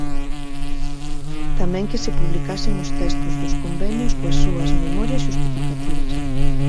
Tamén que se publicasen os textos dos convenios coas súas memorias xustificativas.